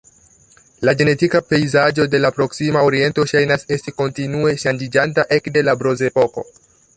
La genetika pejzaĝo de la Proksima Oriento ŝajnas esti kontinue ŝanĝiĝanta ekde la Bronzepoko.